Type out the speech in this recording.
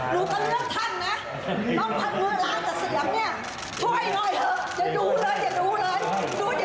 ถ้วยหน่อยเถอะอย่าดูเลยอย่าดูเลย